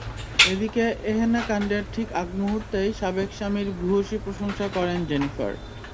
এদিকে এহেন কাণ্ডের ঠিক আগমুহূর্তেই সাবেক স্বামীর ভূয়সী প্রশংসা করেন জেনিফার।